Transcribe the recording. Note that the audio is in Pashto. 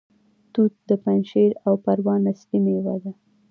توت د پنجشیر او پروان اصلي میوه ده.